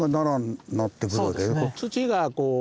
土がこう。